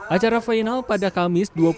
acara final pada kamis